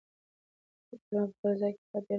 هر کلمه په خپل ځای کې په ډېر هنر کارول شوې.